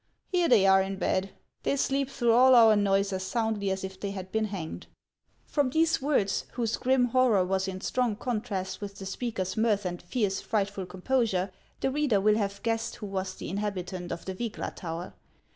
" Here they are in bed ; they sleep through all our noise as soundly as if they had been hanged." From these words, whose grim horror was in strong contrast with the speaker's mirth and fierce, frightful composure, the reader will have guessed who was the in habitant of the Vygla tower.